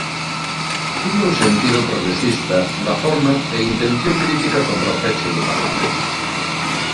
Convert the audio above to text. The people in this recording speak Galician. Tiña un sentido progresista da forma e intención crítica contra o peche do Parlamento.